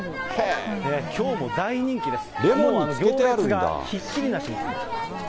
きょうも大人気です。